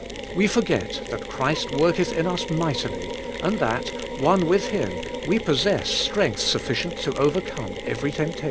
We forget that Christ worketh in us mightily, and that, one with Him^ we possess strength sufficient to overcome every te^nptation.